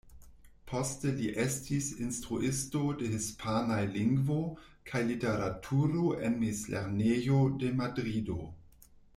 Poste li estis instruisto de Hispanaj Lingvo kaj Literaturo en mezlernejo de Madrido.